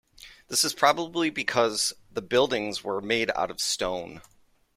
This is probably because the buildings were made out of stone.